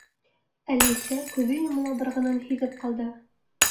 Әлисә күҙе йомола барғанын һиҙеп ҡалды.